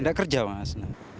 nggak kerja mas